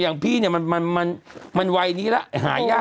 อย่างพี่มันไหวนี้ให้หายยาก